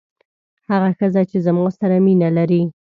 هغه ښځه چې زما سره مینه لري.